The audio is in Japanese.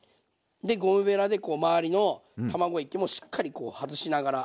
でゴムベラでこう周りの卵液もしっかりこう外しながら。